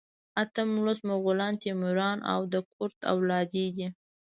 اتم لوست مغولان، تیموریان او د کرت اولادې دي.